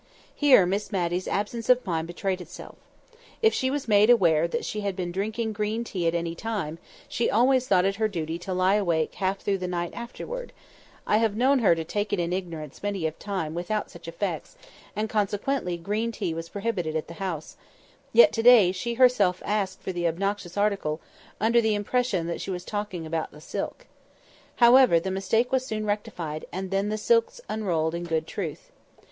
Here Miss Matty's absence of mind betrayed itself. If she was made aware that she had been drinking green tea at any time, she always thought it her duty to lie awake half through the night afterward (I have known her take it in ignorance many a time without such effects), and consequently green tea was prohibited the house; yet to day she herself asked for the obnoxious article, under the impression that she was talking about the silk. However, the mistake was soon rectified; and then the silks were unrolled in good truth.